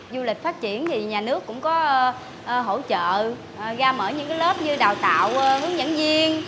du lịch phát triển thì nhà nước cũng có hỗ trợ ra mở những lớp như đào tạo hướng dẫn viên